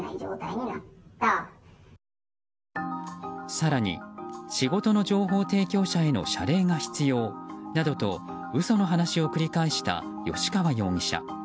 更に、仕事の情報提供者への謝礼が必要などと嘘の話を繰り返した吉川容疑者。